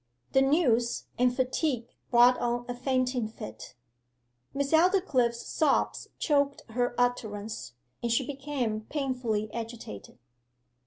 The news, and fatigue, brought on a fainting fit....' Miss Aldclyffe's sobs choked her utterance, and she became painfully agitated.